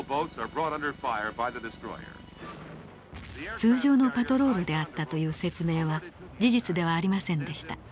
通常のパトロールであったという説明は事実ではありませんでした。